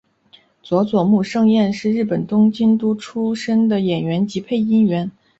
佐佐木胜彦是日本东京都出身的演员及配音员。